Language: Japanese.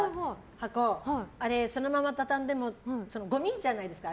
箱、そのまま畳んでもごみじゃないですか。